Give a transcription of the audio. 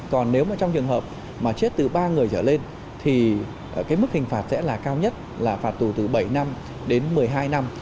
còn nếu mà trong trường hợp mà chết từ ba người trở lên thì cái mức hình phạt sẽ là cao nhất là phạt tù từ bảy năm đến một mươi hai năm